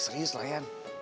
serius lah ya